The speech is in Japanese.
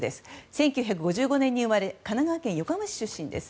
１９５５年に生まれ神奈川県横浜市出身です。